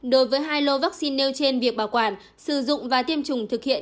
đối với hai lô vaccine nêu trên việc bảo quản sử dụng và tiêm chủng thực hiện